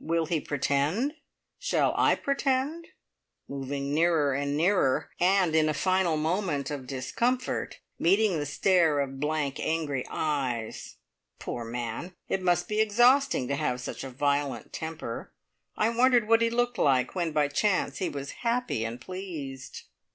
Will he pretend? Shall I pretend?" moving nearer and nearer, and in a final moment of discomfort meeting the stare of blank, angry eyes. Poor man! It must be exhausting to have such a violent temper. I wondered what he looked like when by chance he was happy and pleased!